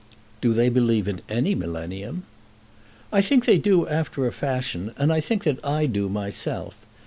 "Do they believe in any millennium?" "I think they do after a fashion, and I think that I do myself.